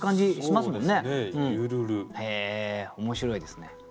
へえ面白いですね。